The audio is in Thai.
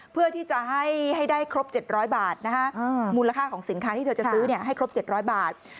เพื่อที่จะให้ได้ครบ๗๐๐บาทมูลค่าของสินค้าที่เธอจะซื้อให้ครบ๗๐๐บาท